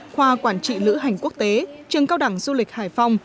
khoa quản trị lữ hành quốc tế trường cao đẳng du lịch hải phòng